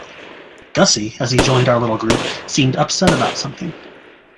Gussie, as he joined our little group, seemed upset about something.